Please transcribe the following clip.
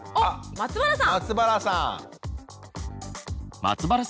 松原さん。